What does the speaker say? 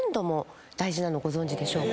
ご存じでしょうか？